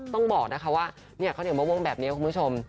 ต้องบอกนะคะว่าข้าวเหนียวมะม่วงแบบนี้คุณผู้ชม